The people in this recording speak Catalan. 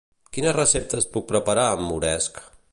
Quines receptes puc preparar amb moresc?